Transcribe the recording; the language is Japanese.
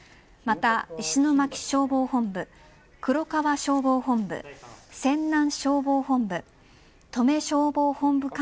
また石巻消防本部黒川消防本部泉南消防本部登米消防本部